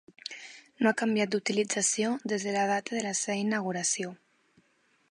No ha canviat d'utilització des de la data de la seva inauguració.